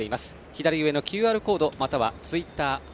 左上のＱＲコードまたはツイッター「＃